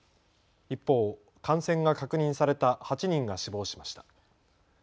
一方、感染が確認された８人が死亡しました。